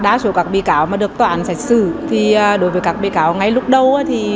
đa số các bị cáo mà được tòa án sạch sử thì đối với các bị cáo ngay lúc đầu